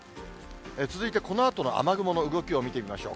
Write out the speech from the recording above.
続いてこのあとの雨雲の動きを見てみましょう。